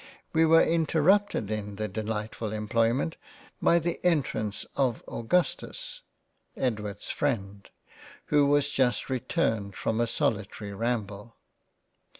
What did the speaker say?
We were interrupted in the delightfull Employment by the entrance of Augustus, (Edward's freind) who was just returned from a solitary ramble.